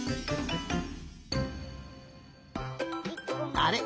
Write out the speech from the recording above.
あれ？